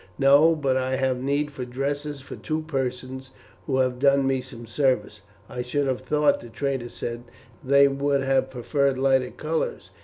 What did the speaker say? "No, but I have need for dresses for two persons who have done me some service." "I should have thought," the trader said, "they would have preferred lighter colours.